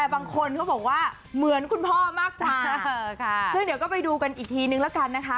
บางคนเขาบอกว่าเหมือนคุณพ่อมากกว่าซึ่งเดี๋ยวก็ไปดูกันอีกทีนึงแล้วกันนะคะ